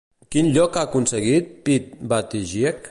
Quin lloc ha aconseguit Pete Buttigieg?